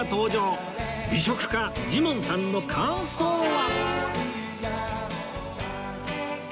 美食家ジモンさんの感想は